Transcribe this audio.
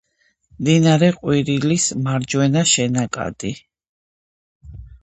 მდინარე ყვირილის მარჯვენა შენაკადი.